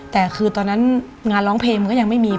แต่คือตอนนั้นงานร้องเพลงมันก็ยังไม่มี